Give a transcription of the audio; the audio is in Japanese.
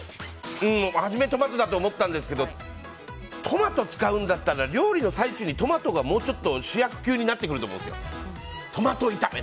初めトマトかと思ったんですけどトマト使うんだったら料理の最中にトマトがもうちょっと主役級になってくると思うんですよ。